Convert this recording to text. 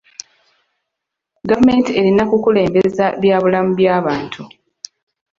Gavumenti erina kukulembeza bya bulamu by'abantu.